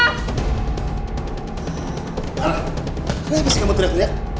mana kenapa sih kamu teriak teriak